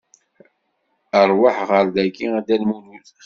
Rwaḥ ɣer dayi a Dda Lmulud!